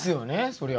そりゃ。